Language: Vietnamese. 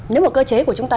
nếu mà cơ chế của chúng ta